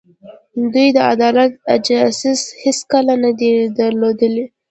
دوی د عدالت احساس هېڅکله نه دی درلودلی.